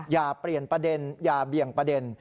อย่าเปลี่ยนประเด็นอย่าเบี่ยงประเด็น